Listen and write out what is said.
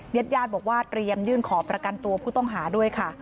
ญาติญาติบอกว่าเตรียมยื่นขอประกันตัวผู้ต้องหาด้วยค่ะ